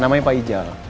namanya pak ijal